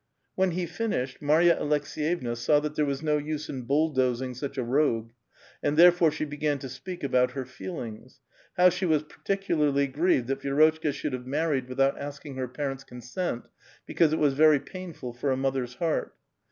.When he finished, Marya Aleks(f;yevna saw that there was no use in bulldozing such a rogue, and therefore she b<»gan to speak about her feelings : how she was particularly grieved that Vi^rotchka should have married without asking her parents' consent, because it was very painful for a mother's heart.